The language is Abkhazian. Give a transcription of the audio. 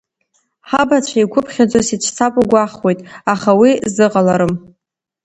Ҳабацәа еиқәыԥхьаӡо сицәцап угәахәуеит, аха уи зыҟаларым.